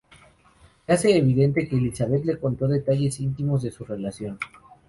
Se hace evidente que Elizabeth le contó detalles íntimos de su relación.